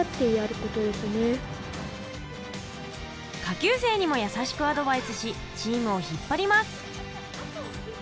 下級生にもやさしくアドバイスしチームをひっぱります。